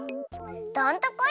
どんとこい！